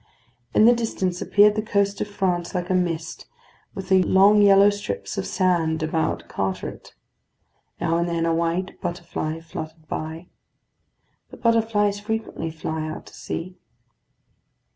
In the distance appeared the coast of France like a mist, with the long yellow strips of sand about Carteret. Now and then a white butterfly fluttered by. The butterflies frequently fly out to sea.